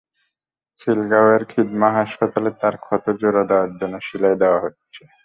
খিলগাঁওয়ের খিদমাহ হাসপাতালে তাঁর ক্ষত জোরা দেওয়ার জন্য সেলাই দেওয়া হচ্ছে।